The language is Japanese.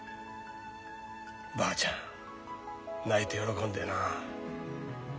ばあちゃん泣いて喜んでな。